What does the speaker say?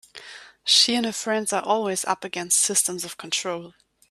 She and her friends are always up against systems of control.